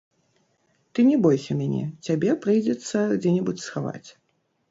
Ты не бойся мяне, цябе прыйдзецца дзе-небудзь схаваць.